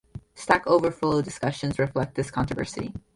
Stackoverflow discussions reflect this controversy.